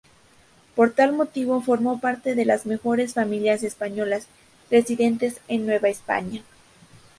Por tal motivo, formó parte de las mejores familias españolas residentes en Nueva España.